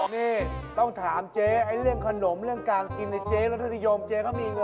นี่ต้องถามเจ๊เรื่องขนมเรื่องการกินในเจ๊รัตนิยมเจ๊เขามีเงิน